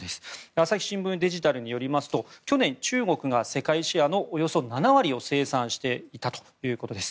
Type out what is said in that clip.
朝日新聞デジタルによりますと去年、中国が世界シェアのおよそ７割を生産していたということです。